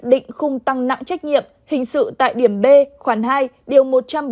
định khung tăng nặng trách nhiệm hình sự tại điểm b khoảng hai điều một trăm bốn mươi hai